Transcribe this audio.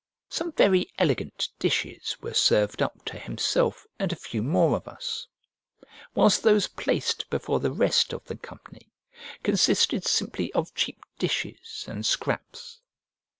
Some very elegant dishes were served up to himself and a few more of us, whilst those placed before the rest of the company consisted simply of cheap dishes and scraps.